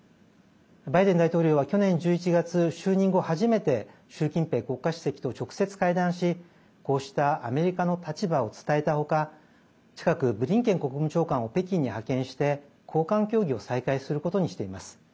バイデン大統領は去年１１月就任後、初めて習近平国家主席と直接会談しこうしたアメリカの立場を伝えたほか近く、ブリンケン国務長官を北京に派遣して高官協議を再開することにしています。